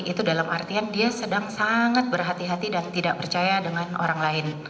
itu dalam artian dia sedang sangat berhati hati dan tidak percaya dengan orang lain